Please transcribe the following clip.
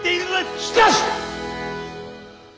しかし！